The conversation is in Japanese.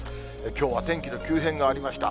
きょうは天気の急変がありました。